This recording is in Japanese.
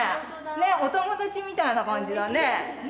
ねえお友達みたいな感じだね。